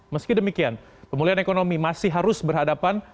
meski demikian pemulihan ekonomi masih harus berhadapan